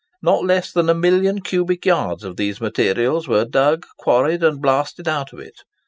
Not less than a million cubic yards of these materials were dug, quarried, and blasted out of it.